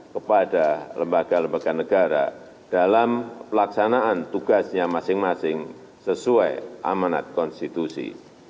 kepada lembaga lembaga negara dalam pelaksanaan tugasnya masing masing sesuai amanat konstitusi